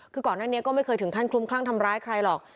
คือก่อนหน้านี้ก็ไม่เคยถึงขั้นคลุมคลั่งทำร้ายใครหรอก